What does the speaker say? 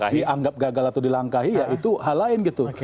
dianggap gagal atau dilangkahi ya itu hal lain gitu